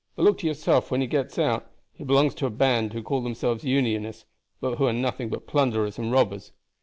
But look to yourself when he gets out; he belongs to a band who call themselves Unionists, but who are nothing but plunderers and robbers.